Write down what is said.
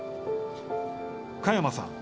加山さん